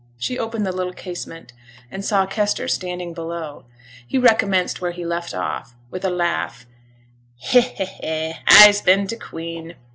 She opened the little casement, and saw Kester standing below. He recommenced where he left off, with a laugh 'He, he, he! A's been t' queen!